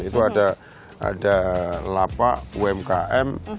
itu ada lapak umkm